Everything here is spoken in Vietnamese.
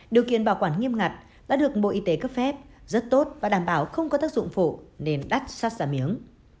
điều kiện bảo quản nghiêm ngặt đã được bộ y tế cấp phép rất tốt và đảm bảo không có tác dụng phụ nên đắt sát ra miếng